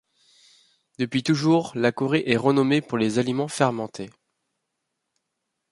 Depuis toujours la Corée est renommée pour les aliments fermentés.